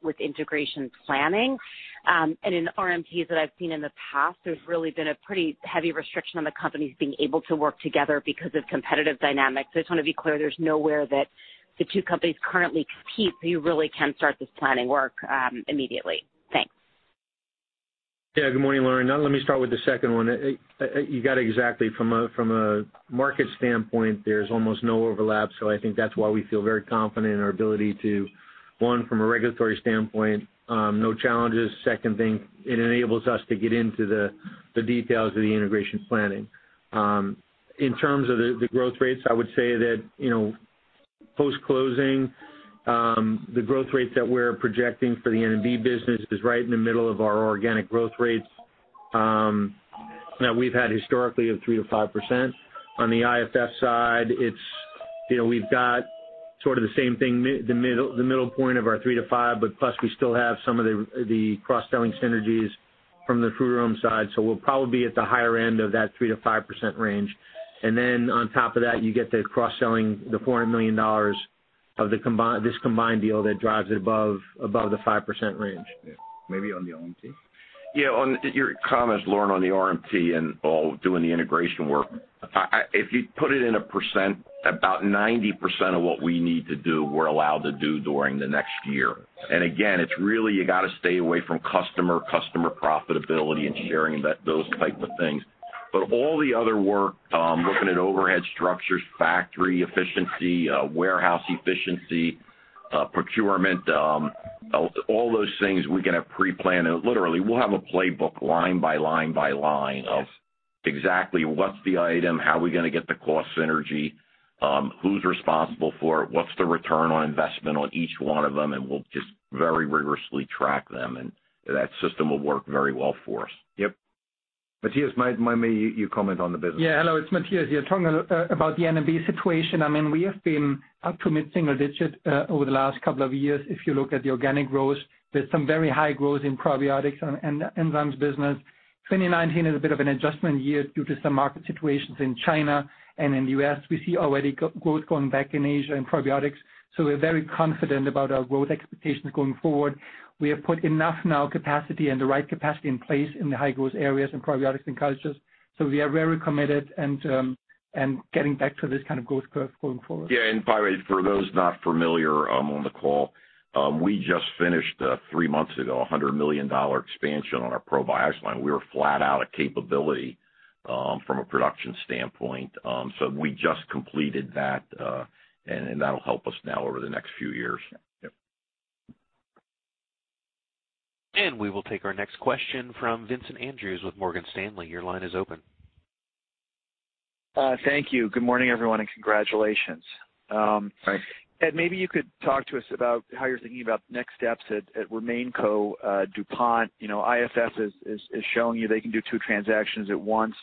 with integration planning. In RMTs that I've seen in the past, there's really been a pretty heavy restriction on the companies being able to work together because of competitive dynamics. I just want to be clear, there's nowhere that the two companies currently compete, so you really can start this planning work immediately. Thanks. Good morning, Lauren. Let me start with the second one. You got it exactly. From a market standpoint, there's almost no overlap. I think that's why we feel very confident in our ability to, one, from a regulatory standpoint, no challenges. Second thing, it enables us to get into the details of the integration planning. In terms of the growth rates, I would say that post-closing, the growth rates that we're projecting for the N&B business is right in the middle of our organic growth rates that we've had historically of 3%-5%. On the IFF side, we've got sort of the same thing, the middle point of our 3%-5%, but plus we still have some of the cross-selling synergies from the Frutarom side. We'll probably be at the higher end of that 3%-5% range. On top of that, you get the cross-selling, the $400 million of this combined deal that drives it above the 5% range. Yeah. Maybe on the RMT? Yeah. On your comments, Lauren, on the RMT and all doing the integration work, if you put it in a %, about 90% of what we need to do, we're allowed to do during the next year. Again, it's really, you got to stay away from customer profitability and sharing those type of things. All the other work, looking at overhead structures, factory efficiency, warehouse efficiency, procurement, all those things we're going to pre-plan. Literally, we'll have a playbook line by line by line of exactly what's the item, how are we going to get the cost synergy, who's responsible for it, what's the return on investment on each one of them, and we'll just very rigorously track them, and that system will work very well for us. Yep. Matthias, maybe you comment on the business. Yeah. Hello, it's Matthias here. Talking about the N&B situation, we have been up to mid-single digit over the last couple of years, if you look at the organic growth. There's some very high growth in probiotics and enzymes business. 2019 is a bit of an adjustment year due to some market situations in China and in the U.S. We see already growth going back in Asia in probiotics. We're very confident about our growth expectations going forward. We have put enough now capacity and the right capacity in place in the high-growth areas in probiotics and cultures. We are very committed and getting back to this kind of growth curve going forward. Yeah. By the way, for those not familiar on the call, we just finished, three months ago, $100 million expansion on our probiotics line. We were flat out of capability from a production standpoint. We just completed that, and that'll help us now over the next few years. Yep. We will take our next question from Vincent Andrews with Morgan Stanley. Your line is open. Thank you. Good morning, everyone, and congratulations. Thanks. Ed, maybe you could talk to us about how you're thinking about next steps at RemainCo DuPont. IFF is showing you they can do two transactions at once.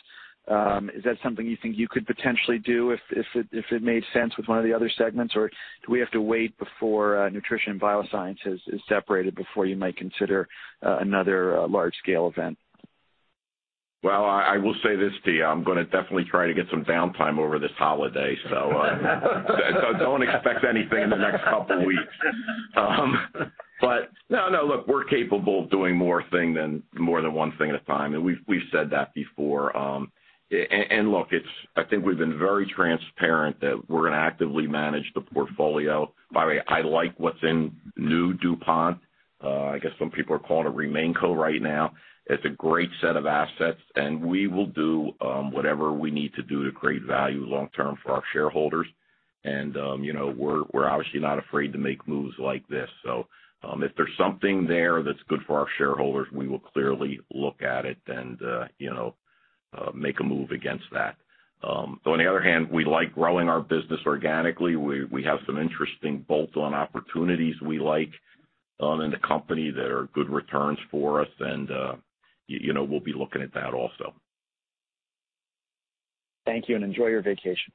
Is that something you think you could potentially do if it made sense with one of the other segments? Or do we have to wait before Nutrition & Biosciences is separated before you might consider another large scale event? Well, I will say this to you. I'm going to definitely try to get some downtime over this holiday, so don't expect anything in the next couple weeks. No, look, we're capable of doing more than one thing at a time, and we've said that before. Look, I think we've been very transparent that we're going to actively manage the portfolio. By the way, I like what's in new DuPont. I guess some people are calling it RemainCo right now. It's a great set of assets, and we will do whatever we need to do to create value long term for our shareholders. We're obviously not afraid to make moves like this. If there's something there that's good for our shareholders, we will clearly look at it and make a move against that. On the other hand, we like growing our business organically. We have some interesting bolt-on opportunities we like in the company that are good returns for us and we'll be looking at that also. Thank you, and enjoy your vacation.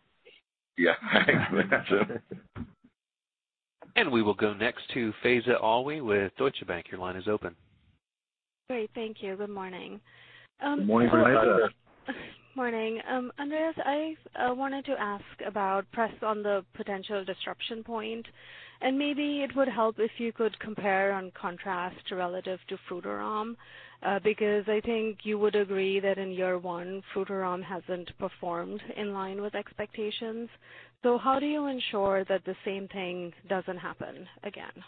Yeah. Thanks, Vincent. We will go next to Faiza Alwy with Deutsche Bank. Your line is open. Great. Thank you. Good morning. Good morning, Faiza. Morning. Andreas, I wanted to ask about press on the potential disruption point, and maybe it would help if you could compare and contrast relative to Foodarom, because I think you would agree that in year one, Foodarom hasn't performed in line with expectations. How do you ensure that the same thing doesn't happen again?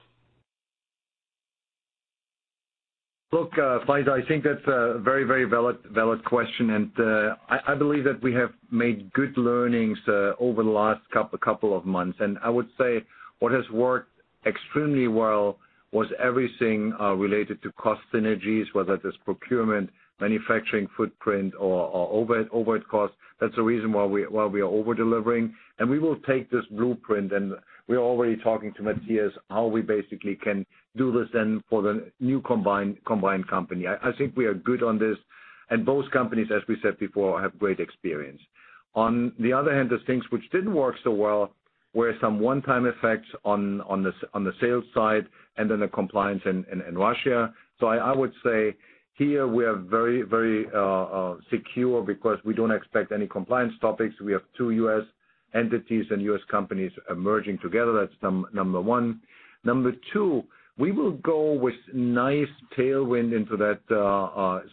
Look, Faiza, I think that's a very valid question, and I believe that we have made good learnings over the last couple of months. I would say what has worked extremely well was everything related to cost synergies, whether that's procurement, manufacturing footprint, or overhead costs. That's the reason why we are over-delivering. We will take this blueprint, and we're already talking to Matthias how we basically can do this then for the new combined company. I think we are good on this. Both companies, as we said before, have great experience. On the other hand, there's things which didn't work so well, were some one-time effects on the sales side and then the compliance in Russia. I would say here we are very secure because we don't expect any compliance topics. We have two U.S. entities and U.S. companies merging together. That's number one. Number two, we will go with nice tailwind into that,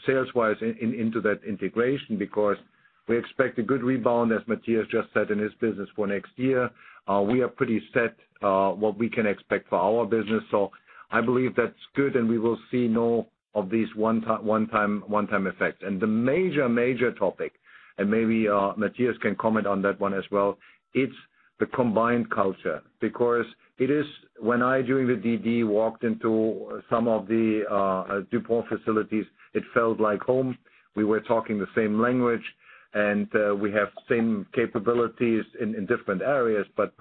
sales wise, into that integration because we expect a good rebound, as Matthias just said, in his business for next year. We are pretty set what we can expect for our business. I believe that's good and we will see no of these one-time effects. The major topic, and maybe Matthias can comment on that one as well, it's the combined culture. When I, during the DD, walked into some of the DuPont facilities, it felt like home. We were talking the same language. We have same capabilities in different areas, but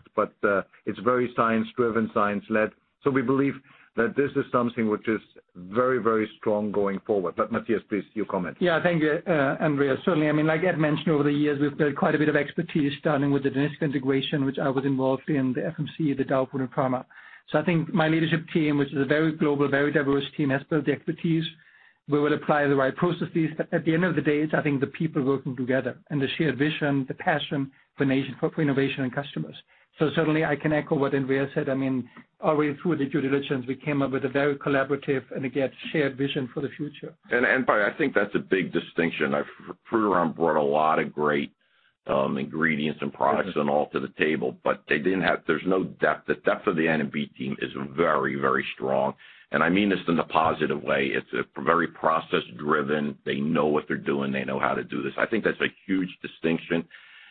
it's very science-driven, science-led. We believe that this is something which is very, very strong going forward. Matthias, please, your comments. Thank you, Andreas. Certainly, like Ed mentioned, over the years, we've built quite a bit of expertise starting with the Danisco integration, which I was involved in, the FMC, the Dow, and then Pharma. I think my leadership team, which is a very global, very diverse team, has built the expertise, we will apply the right processes. At the end of the day, it's, I think, the people working together and the shared vision, the passion for innovation and customers. Certainly, I can echo what Andreas said. Already through the due diligence, we came up with a very collaborative and again, shared vision for the future. By the way, I think that's a big distinction. Frutarom brought a lot of great ingredients and products and all to the table, but there's no depth. The depth of the N&B team is very, very strong, and I mean this in a positive way. It's very process-driven. They know what they're doing. They know how to do this. I think that's a huge distinction.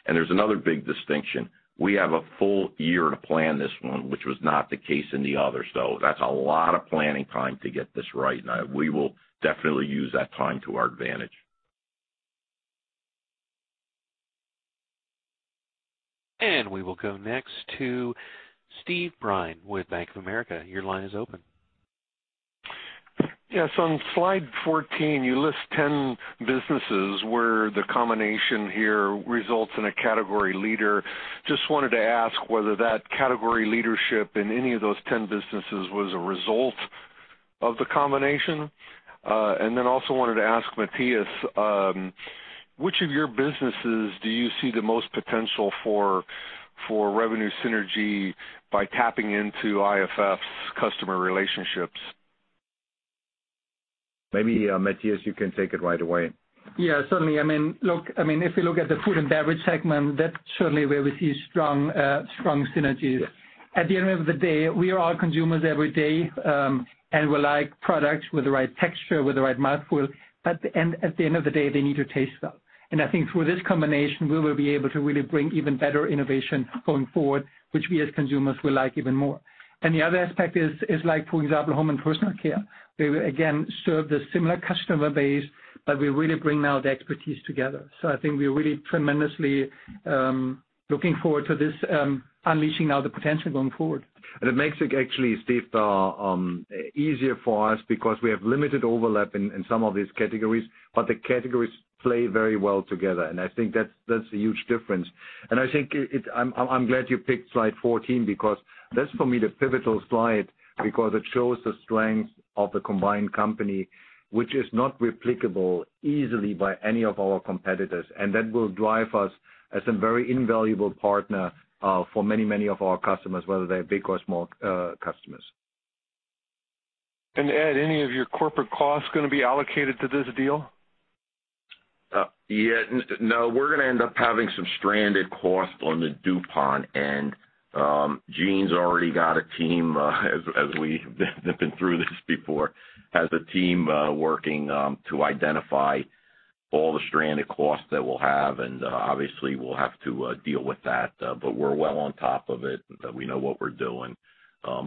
There's another big distinction. We have a full year to plan this one, which was not the case in the others. That's a lot of planning time to get this right, and we will definitely use that time to our advantage. We will go next to Steve Byrne with Bank of America. Your line is open. Yes, on slide 14, you list 10 businesses where the combination here results in a category leader. Just wanted to ask whether that category leadership in any of those 10 businesses was a result of the combination. Then also wanted to ask Matthias, which of your businesses do you see the most potential for revenue synergy by tapping into IFF's customer relationships? Maybe, Matthias, you can take it right away. Yeah, certainly. If we look at the food and beverage segment, that's certainly where we see strong synergies. At the end of the day, we are all consumers every day, we like products with the right texture, with the right mouthfeel, but at the end of the day, they need to taste well. I think through this combination, we will be able to really bring even better innovation going forward, which we, as consumers, will like even more. The other aspect is like, for example, home and personal care. We will again serve the similar customer base, but we really bring now the expertise together. I think we are really tremendously looking forward to this, unleashing now the potential going forward. It makes it actually, Steve, easier for us because we have limited overlap in some of these categories, but the categories play very well together, and I think that's a huge difference. I think I'm glad you picked slide 14 because that's, for me, the pivotal slide because it shows the strength of the combined company, which is not replicable easily by any of our competitors, and that will drive us as a very invaluable partner for many of our customers, whether they're big or small customers. Ed, any of your corporate costs going to be allocated to this deal? Yeah, no. We're gonna end up having some stranded costs on the DuPont end. Jean's already got a team, as we have been through this before, has a team working to identify all the stranded costs that we'll have, and obviously, we'll have to deal with that. We're well on top of it. We know what we're doing.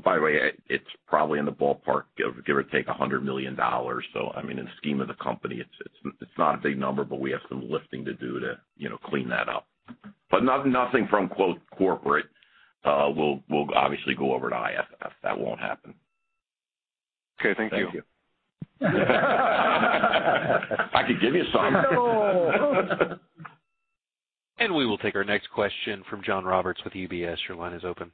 By the way, it's probably in the ballpark of, give or take, $100 million. In the scheme of the company, it's not a big number, but we have some lifting to do to clean that up. Nothing from, quote, corporate, will obviously go over to IFF. That won't happen. Okay, thank you. Thank you. I could give you some. No. We will take our next question from John Roberts with UBS. Your line is open.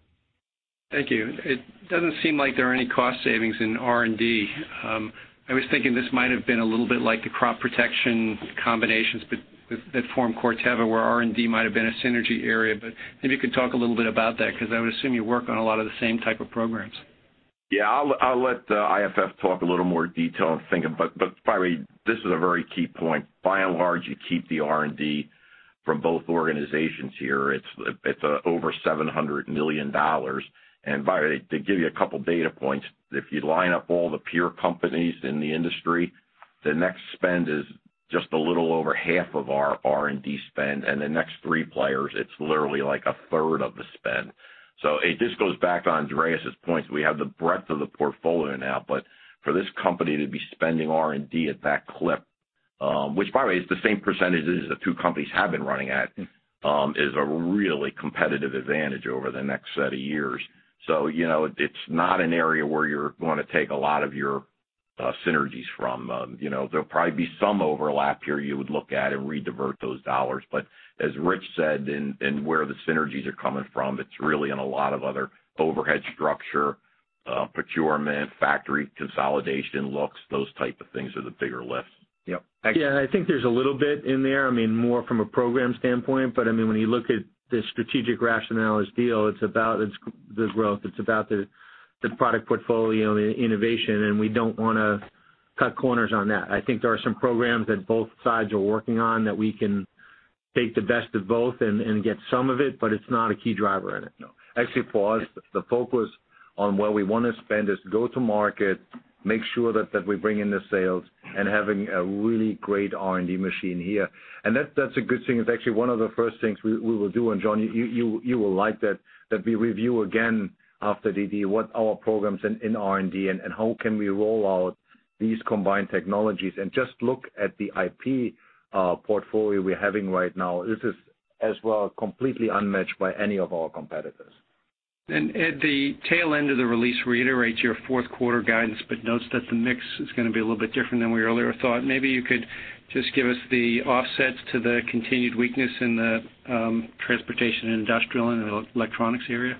Thank you. It doesn't seem like there are any cost savings in R&D. I was thinking this might have been a little bit like the crop protection combinations that form Corteva, where R&D might have been a synergy area. Maybe you could talk a little bit about that because I would assume you work on a lot of the same type of programs. I'll let IFF talk a little more detail and think, but by the way, this is a very key point. It's over $700 million. By the way, to give you a couple data points, if you line up all the peer companies in the industry, the next spend is just a little over half of our R&D spend, and the next three players, it's literally like a third of the spend. It just goes back to Andreas' point, we have the breadth of the portfolio now, but for this company to be spending R&D at that clip, which by the way is the same percentage as the two companies have been running at, is a really competitive advantage over the next set of years. It's not an area where you're going to take a lot of your synergies from. There'll probably be some overlap here you would look at and redivert those dollars. As Rich said in where the synergies are coming from, it's really in a lot of other overhead structure, procurement, factory consolidation looks, those type of things are the bigger lift. Yep. Yeah, I think there's a little bit in there, more from a program standpoint. When you look at the strategic rationale of this deal, it's about the growth, it's about the product portfolio and innovation, and we don't want to cut corners on that. I think there are some programs that both sides are working on that we can take the best of both and get some of it, but it's not a key driver in it, no. Actually, for us, the focus on where we want to spend is go to market, make sure that we bring in the sales, and having a really great R&D machine here. That's a good thing. It's actually one of the first things we will do, and John, you will like that we review again after DD what our programs in R&D and how can we roll out these combined technologies and just look at the IP portfolio we're having right now. This is as well completely unmatched by any of our competitors. Ed, the tail end of the release reiterates your fourth quarter guidance, but notes that the mix is going to be a little bit different than we earlier thought. Maybe you could just give us the offsets to the continued weakness in the transportation and industrial and the electronics area.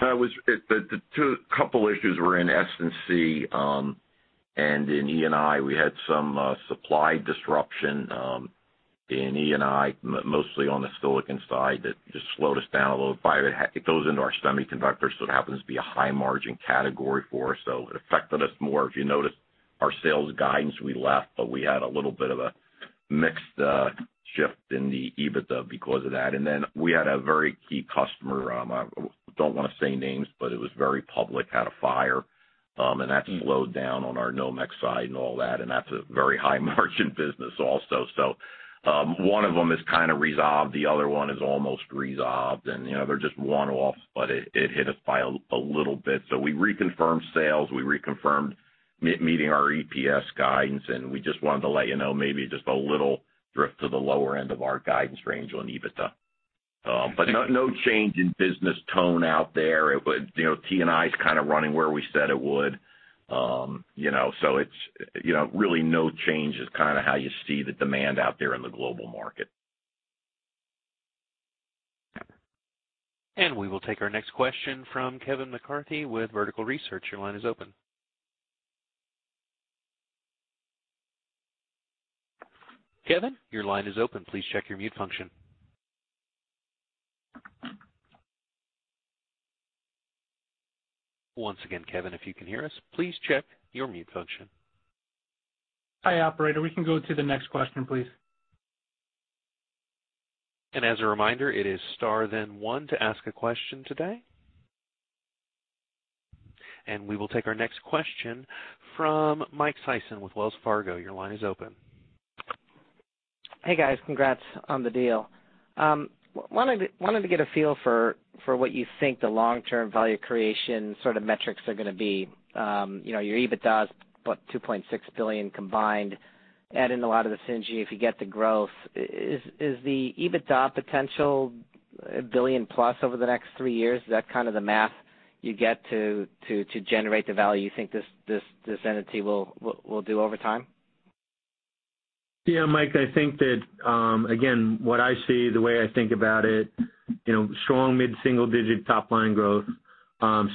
The two couple issues were in S&C and in E&I. We had some supply disruption in E&I, mostly on the silicon side, that just slowed us down a little. It goes into our semiconductors. It happens to be a high margin category for us, so it affected us more. If you notice our sales guidance, we left, but we had a little bit of a mix shift in the EBITDA because of that. We had a very key customer, I don't want to say names, but it was very public, had a fire, and that slowed down on our Nomex side and all that. That's a very high margin business also. One of them is kind of resolved, the other is almost resolved and they're just one-off, but it hit us by a little bit. We reconfirmed sales, we reconfirmed meeting our EPS guidance, and we just wanted to let you know, maybe just a little drift to the lower end of our guidance range on EBITDA. No change in business tone out there. T&I's kind of running where we said it would. It's really no change is kind of how you see the demand out there in the global market. We will take our next question from Kevin McCarthy with Vertical Research. Your line is open. Kevin, your line is open. Please check your mute function. Once again, Kevin, if you can hear us, please check your mute function. Hi, operator. We can go to the next question, please. As a reminder, it is star then one to ask a question today. We will take our next question from Michael Sison with Wells Fargo. Your line is open. Hey, guys. Congrats on the deal. Wanted to get a feel for what you think the long-term value creation sort of metrics are going to be. Your EBITDA's, what, $2.6 billion combined, add in a lot of the synergy if you get the growth. Is the EBITDA potential $1 billion-plus over the next three years? Is that kind of the math you get to generate the value you think this entity will do over time? Mike, I think that, again, what I see, the way I think about it, strong mid-single digit top line growth,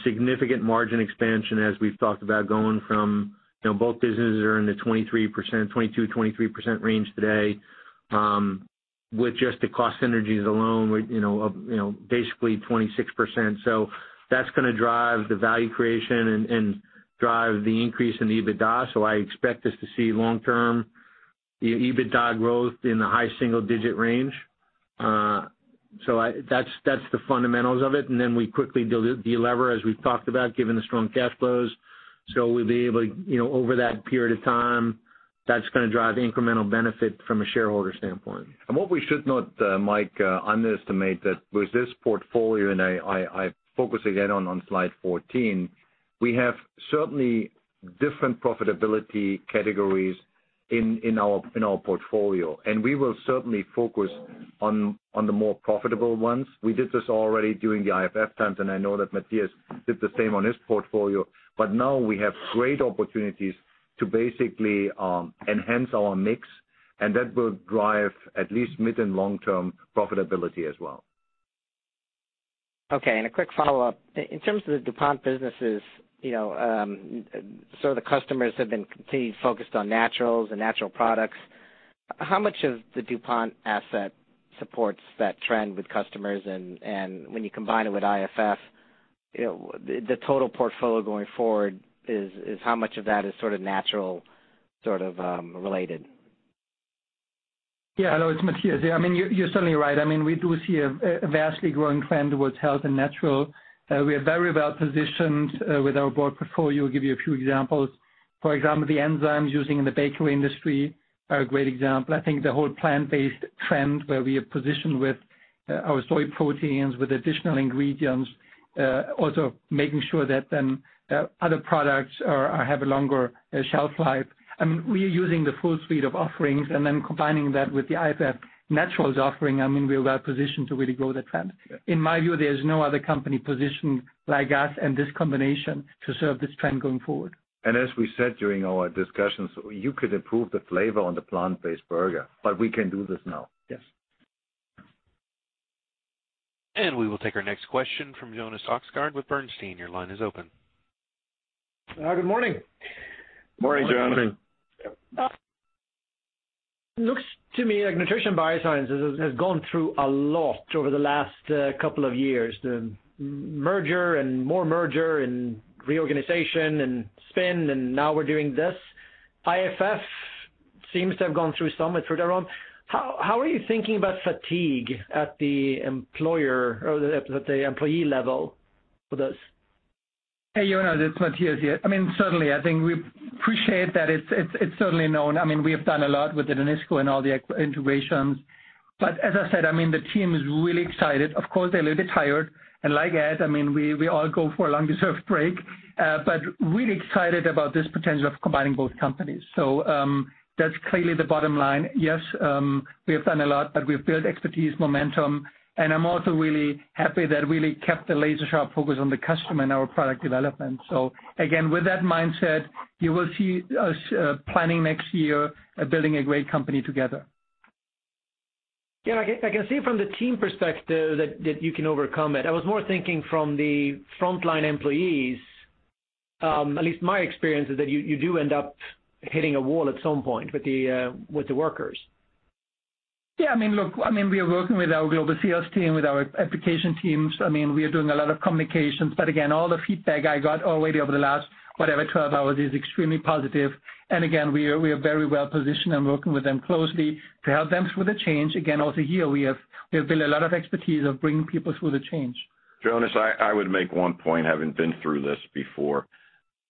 significant margin expansion as we've talked about going from both businesses are in the 22%-23% range today. With just the cost synergies alone, basically 26%. That's going to drive the value creation and drive the increase in the EBITDA, I expect us to see long-term the EBITDA growth in the high single-digit range. That's the fundamentals of it, we quickly de-lever, as we've talked about, given the strong cash flows. We'll be able, over that period of time, that's going to drive incremental benefit from a shareholder standpoint. What we should not, Mike, underestimate that with this portfolio, and I focus again on slide 14, we have certainly different profitability categories in our portfolio, and we will certainly focus on the more profitable ones. We did this already during the IFF times, and I know that Matthias did the same on his portfolio, but now we have great opportunities to basically enhance our mix, and that will drive at least mid- and long-term profitability as well. Okay, a quick follow-up. In terms of the DuPont businesses, the customers have been completely focused on naturals and natural products. How much of the DuPont asset supports that trend with customers and when you combine it with IFF, the total portfolio going forward is, how much of that is sort of natural sort of related? Hello, it's Matthias. You're certainly right. We do see a vastly growing trend towards health and natural. We are very well-positioned with our broad portfolio. Give you a few examples. For example, the enzymes using in the bakery industry are a great example. I think the whole plant-based trend where we are positioned with our soy proteins, with additional ingredients, also making sure that then other products have a longer shelf life. We are using the full suite of offerings and then combining that with the IFF Naturals offering, we are well positioned to really grow the trend. In my view, there's no other company positioned like us and this combination to serve this trend going forward. As we said during our discussions, you could improve the flavor on the plant-based burger, but we can do this now. Yes. We will take our next question from Jonas Oxgaard with Bernstein. Your line is open. Good morning. Morning, Jonas. Morning. Looks to me like Nutrition & Biosciences has gone through a lot over the last couple of years. The merger and more merger and reorganization and spin, and now we're doing this. IFF seems to have gone through some of it on their own. How are you thinking about fatigue at the employee level with this? Hey, Jonas, it's Matthias here. Certainly, I think we appreciate that it's certainly known. We have done a lot with the Danisco and all the integrations. As I said, the team is really excited. Of course, they're a little bit tired, and like Ed, we all go for a long-deserved break. Really excited about this potential of combining both companies. That's clearly the bottom line. Yes, we have done a lot, but we've built expertise, momentum, and I'm also really happy that really kept a laser-sharp focus on the customer and our product development. Again, with that mindset, you will see us planning next year, building a great company together. Yeah, I can see from the team perspective that you can overcome it. I was more thinking from the frontline employees, at least my experience is that you do end up hitting a wall at some point with the workers. Yeah. Look, we are working with our global sales team, with our application teams. We are doing a lot of communications, but again, all the feedback I got already over the last, whatever, 12 hours is extremely positive. Again, we are very well-positioned and working with them closely to help them through the change. Again, also here, we have built a lot of expertise of bringing people through the change. Jonas, I would make one point, having been through this before.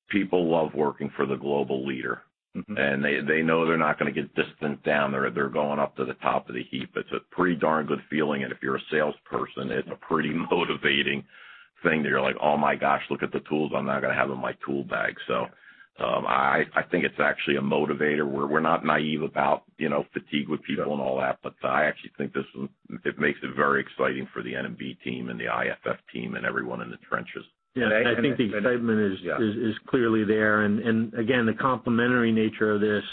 People love working for the global leader. They know they're not going to get distant down. They're going up to the top of the heap. It's a pretty darn good feeling, and if you're a salesperson, it's a pretty motivating thing that you're like, "Oh my gosh, look at the tools I'm now going to have in my tool bag." I think it's actually a motivator. We're not naive about fatigue with people and all that, but I actually think it makes it very exciting for the N&B team and the IFF team and everyone in the trenches. Yeah, I think the excitement is clearly there. Again, the complementary nature of this,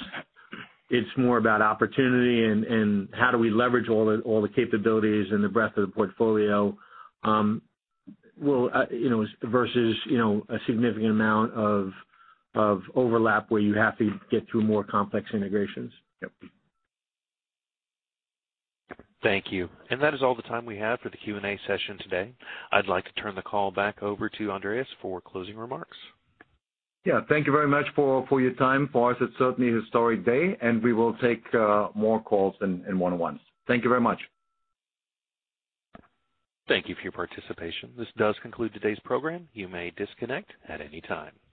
it's more about opportunity and how do we leverage all the capabilities and the breadth of the portfolio versus a significant amount of overlap where you have to get through more complex integrations. Yep. Thank you. That is all the time we have for the Q&A session today. I'd like to turn the call back over to Andreas for closing remarks. Yeah. Thank you very much for your time. For us, it's certainly a historic day, and we will take more calls in one-on-ones. Thank you very much. Thank you for your participation. This does conclude today's program. You may disconnect at any time.